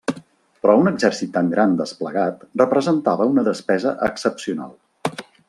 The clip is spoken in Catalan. Però un exèrcit tan gran desplegat representava una despesa excepcional.